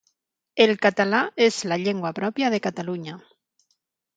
El català és la llengua pròpia de Catalunya.